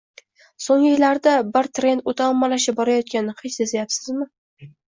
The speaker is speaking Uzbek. So‘nggi yillarda bir trend o‘ta ommalashib borayotganini hech sezyapsizmi?